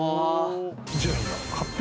順位の発表